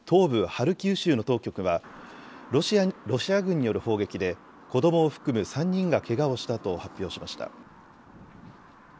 ハルキウ州の当局は、ロシア軍による砲撃で、子どもを含む３人がけがをしたと発表しました。